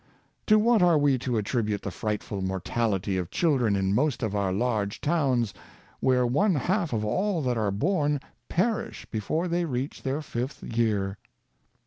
To what are we to attribute the frightful mortality of children in most of our large towns, where one half of all that are born perish before they reach their fifth year?